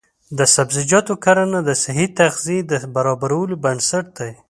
د سبزیجاتو کرنه د صحي تغذیې د برابرولو بنسټ دی.